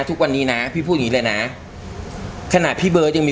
ทุกวันนี้นะพี่พูดอย่างนี้เลยนะ